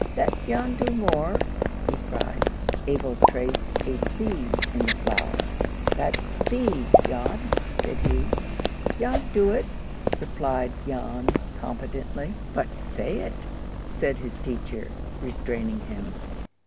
"Let Jan do more!" he cried. Abel traced a B in the flour. "That's B, Jan," said he. "Jan do it," replied Jan, confidently. "But say it," said his teacher, restraining him.